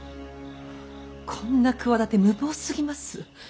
こんな企て無謀すぎます。